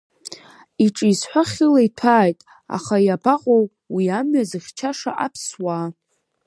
Уҿы изҳәо хьыла иҭәааит, аха иабаҟоу уи амҩа зыхьчаша аԥсуаа?